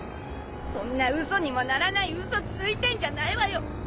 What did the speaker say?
そんな嘘にもならない嘘ついてんじゃないわよ。